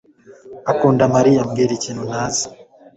akunda Mariya." "Mbwira ikintu ntazi."